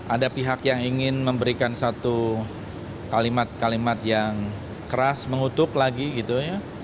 ada pihak yang ingin memberikan satu kalimat kalimat yang keras mengutuk lagi gitu ya